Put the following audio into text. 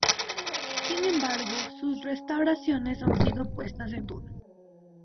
Sin embargo, sus restauraciones han sido puestas en duda.